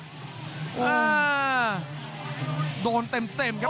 โอ้โหเดือดจริงครับ